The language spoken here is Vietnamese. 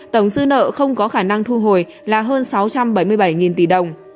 tợ không có khả năng thu hồi là hơn sáu trăm bảy mươi bảy tỷ đồng